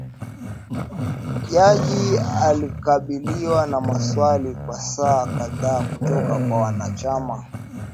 Jaji alikabiliwa na maswali kwa saa kadhaa kutoka kwa wanachama